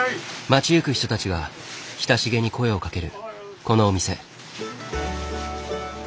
町行く人たちが親しげに声をかけるこのお店。